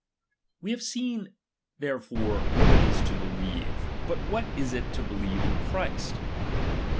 We have seen therefore what it is io believe. , But what is it to believe in Christ